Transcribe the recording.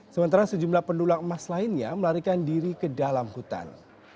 sementara sejumlah pendulang emas lainnya melarikan diri ke dalam hutan